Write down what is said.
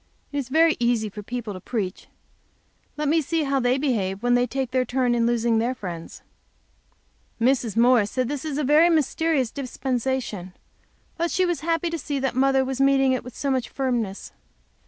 It is very easy for people to preach. Let me see how they behave when they their turn to lose their friends. Mrs. Morris said this was a very mysterious dispensation. But that she was happy to see that Mother was meeting it with so much firmness.